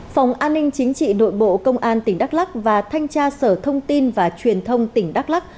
phòng an ninh chính trị nội bộ công an tỉnh đắk lắc và thanh tra sở thông tin và truyền thông tỉnh đắk lắc